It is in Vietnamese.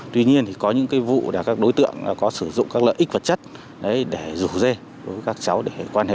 tuy nhiên thì có những vụ là các đối tượng có sử dụng các lợi ích vật chất để rủ dê các cháu